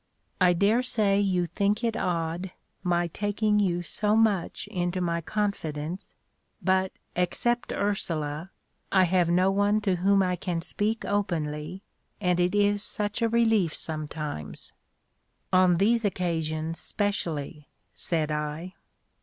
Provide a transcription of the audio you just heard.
I daresay you think it odd my taking you so much into my confidence; but, except Ursula, I have no one to whom I can speak openly, and it is such a relief sometimes." "On these occasions specially," said I.